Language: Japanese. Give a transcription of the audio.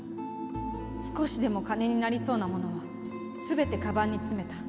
少しでも金になりそうなものはすべてかばんに詰めた。